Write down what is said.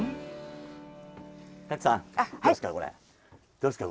どうですか？